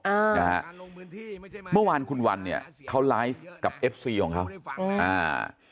อ่านะฮะเมื่อวานคุณวันเนี่ยเขาไลฟ์กับเอฟซีของเขาอืมอ่า